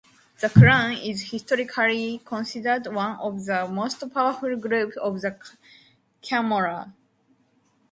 The clan is historically considered one of the most powerful groups of the Camorra.